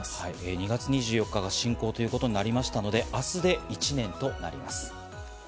２月２４日が侵攻となりましたので、明日で１年となります。